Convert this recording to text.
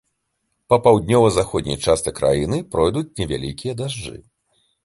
Па паўднёва-заходняй частцы краіны пройдуць невялікія дажджы.